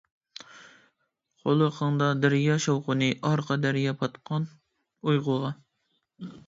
قۇلىقىڭدا دەريا شاۋقۇنى، ئارقا دەريا پاتقان ئۇيقۇغا.